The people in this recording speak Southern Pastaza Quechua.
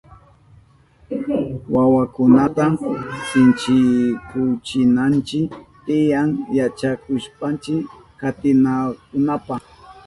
Wawakunata sinchikuchinanchi tiyan yachakushpa katinankunapa.